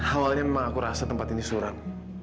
awalnya memang aku rasa tempat ini suram